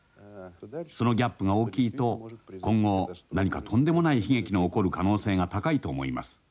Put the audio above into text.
そのギャップが大きいと今後何かとんでもない悲劇が起こる可能性が高いと思います。